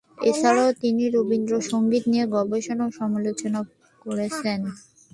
এছাড়াও তিনি রবীন্দ্র সঙ্গীত নিয়ে গবেষণা ও সমালোচনাও করেছেন।